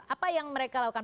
apa yang mereka lakukan